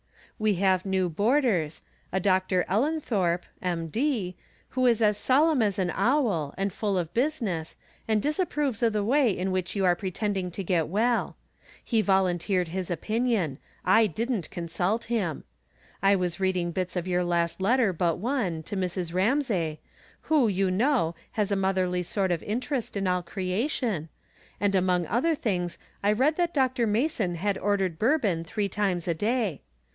We have new boarders, a Dr. EUenthorpe, (M. D.), who is as solemn as an owl, and full of business, and disapproves of the way in which you are pretending to get well. He volunteered his opinion ; I didn't consult him. I was reading bits of your last letter but one, to Mrs. Ramsay, who, you know, has a motherly sort of interest in 12 I'rom Different Standpoints. 13 all creation, and among other things I read that Dr. Mason had ordered bourbon three times a day.